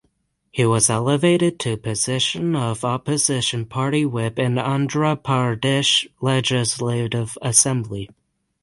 He was elevated to position of opposition party Whip in Andhra Pradesh Legislative Assembly.